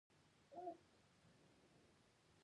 ځغاسته د سړي قوي شخصیت نښه ده